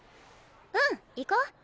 うん行こう。